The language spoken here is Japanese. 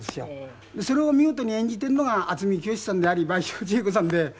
それを見事に演じているのが渥美清さんであり倍賞千恵子さんで。